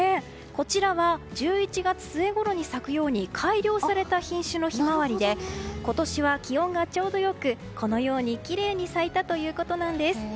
こちらは１１月末ごろに咲くように改良された品種のヒマワリで今年は気温がちょうどよくこのようにきれいに咲いたということです。